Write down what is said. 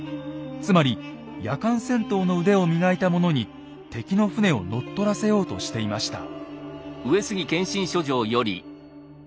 つまり夜間戦闘の腕を磨いた者に敵の船を乗っ取らせようとしていました。